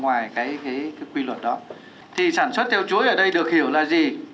ngoài cái quy luật đó thì sản xuất theo chuỗi ở đây được hiểu là gì